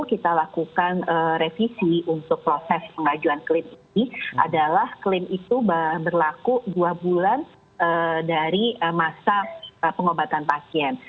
kita lakukan revisi untuk proses pengajuan klaim ini adalah klaim itu berlaku dua bulan dari masa pengobatan pasien